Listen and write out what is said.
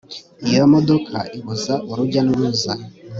iyo modoka ibuza urujya n'uruza